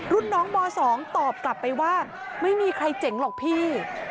รุ่นน้องม๒ตอบกลับไปว่าไม่มีใครเจ๋งหรอกพี่